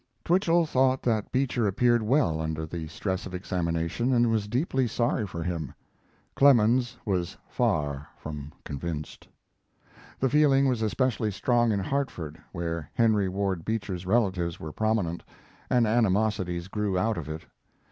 Twichell thought that Beecher appeared well under the stress of examination and was deeply sorry for him; Clemens was far from convinced. The feeling was especially strong in Hartford, where Henry Ward Beecher's relatives were prominent, and animosities grew out of it.